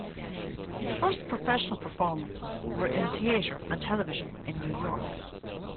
His first professional performances were in theater and television in New York.